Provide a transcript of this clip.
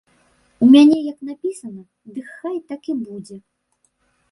У мяне як напісана, дых хай так і будзе!